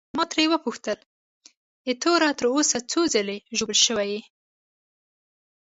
ما ترې وپوښتل: ایټوره، تر اوسه څو ځلي ژوبل شوی یې؟